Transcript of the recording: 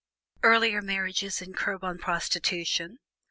EARLIER MARRIAGES AND CURB ON PROSTITUTION.